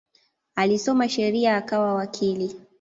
Alisoma sheria akawa wakili.